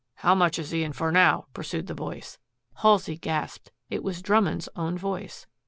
"How much is he in for now?" pursued the voice. Halsey gasped. It was Drummond's own voice.